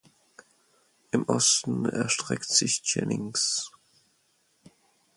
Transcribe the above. Im Osten erstreckt sich Jennings.